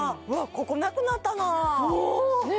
ここなくなったなあね